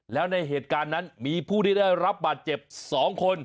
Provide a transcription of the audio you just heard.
แล้วในเหตุการณ์นั้นมีผู้ที่ได้รับบาดเจ็บ๒คน